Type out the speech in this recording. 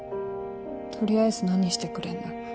取りあえず何してくれんの？